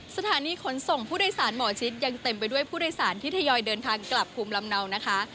สถานีขนส่งผู้โดยสารหมอชิดยังเต็มไปด้วยผู้โดยสารที่ทยอยเดินทางกลับภูมิลำเนานะคะ